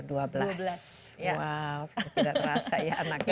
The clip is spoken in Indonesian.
wow sudah tidak terasa ya anaknya